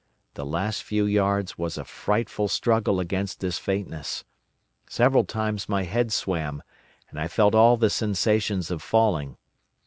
The last few yards was a frightful struggle against this faintness. Several times my head swam, and I felt all the sensations of falling.